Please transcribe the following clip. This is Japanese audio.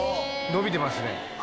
伸びてますね。